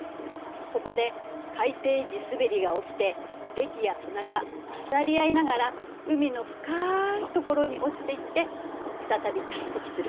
そこで海底地すべりが起きてれきや砂が混ざり合いながら海の深い所に落ちていって再び堆積する。